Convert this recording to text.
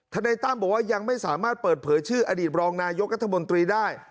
นายตั้มบอกว่ายังไม่สามารถเปิดเผยชื่ออดีตรองนายกรัฐมนตรีได้